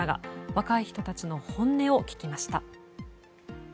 若い人たちの本音を聞きました。